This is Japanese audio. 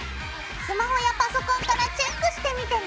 スマホやパソコンからチェックしてみてね！